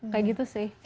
kayak gitu sih